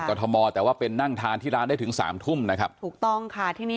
จากประกาศกรฐม